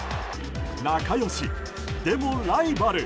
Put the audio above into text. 仲良し、でもライバル。